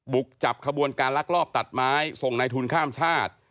บุกจับขบวนการลักลอบตัดไม้ส่งในทุนข้ามชาติ